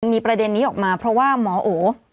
มีประเด็นนี้ออกมาเพราะว่าหมอโอ